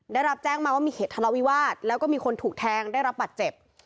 ได้รับแจ้งมาว่ามีเหตุทะเลาวิวาสแล้วก็มีคนถูกแทงได้รับบัตรเจ็บ